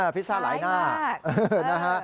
พิซซ่าหลายหน้านะฮะ